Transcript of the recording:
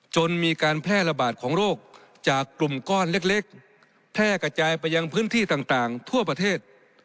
จนมีการแพร่ระบาดของโรคจากกลุ่มก้อนเล็กแพร่กระจายไปยังพื้นที่ต่างทั่วประเทศ